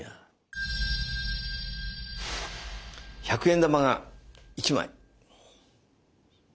１００円玉が１枚。